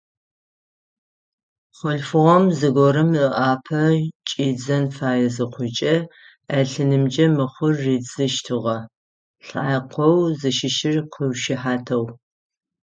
Хъулъфыгъэм зыгорэм ыӏапэ кӏидзэн фае зыхъукӏэ, ӏэлъынымкӏэ мыхъур ридзыщтыгъэ лӏакъоу зыщыщыр къыушыхьатэу.